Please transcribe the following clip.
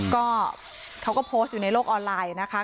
ก็เขาก็โพสต์อยู่ในโลกออนไลน์นะคะ